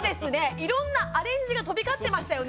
いろんなアレンジが飛び交ってましたよね